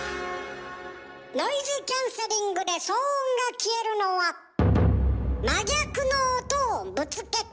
ノイズキャンセリングで騒音が消えるのは真逆の音をぶつけているから。